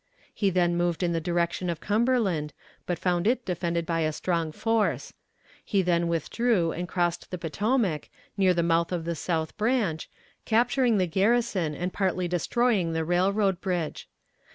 He then moved in the direction of Cumberland, but found it defended by a strong force. He then withdrew and crossed the Potomac, near the mouth of the South Branch, capturing the garrison and partly destroying the railroad bridge.